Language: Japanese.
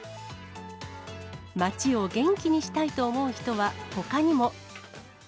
街を元気にしたいと思う人は、ほかにも。